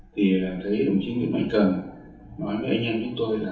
thì thấy đồng chí nguyễn mạnh cường nói với anh em chúng tôi là